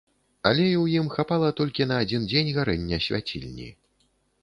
Алею ў ім хапала толькі на адзін дзень гарэння свяцільні.